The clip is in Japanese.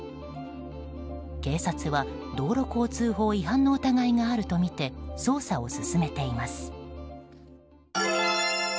警察は道路交通法違反の疑いがあるとみて捜査を進めています。